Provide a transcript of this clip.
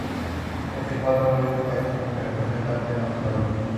Este cuadro es un paisaje que representa un tema mitológico.